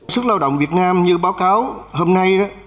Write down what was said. sức lao động việt nam như báo cáo hôm nay đó